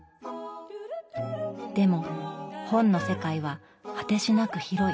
でも本の世界は果てしなく広い。